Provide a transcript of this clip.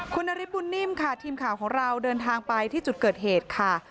คุณนฤทธบุญนิ่มค่ะทีมข่าวของเราเดินทางไปที่จุดเกิดเหตุค่ะ